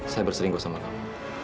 saya berselingkuh sama kamu